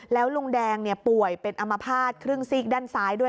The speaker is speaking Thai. แล้วลุงแดงป่วยเป็นอมภาษณ์ครึ่งซีกด้านซ้ายด้วย